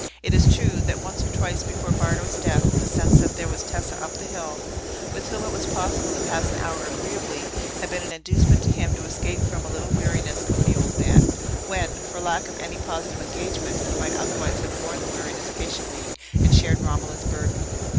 It is true that once or twice before Bardo's death, the sense that there was Tessa up the hill, with whom it was possible to pass an hour agreeably, had been an inducement to him to escape from a little weariness of the old man, when, for lack of any positive engagement, he might otherwise have borne the weariness patiently and shared Romola's burden.